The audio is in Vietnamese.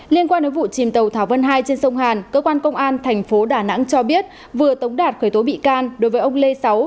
liên quan đến vụ chìm tàu thảo văn hai trên sông hàn cơ quan công an thành phố đà nẵng cho biết vừa tống đạt khởi tố bị can đối với ông lê sáu